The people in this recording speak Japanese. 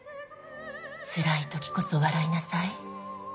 つらい時こそ笑いなさい。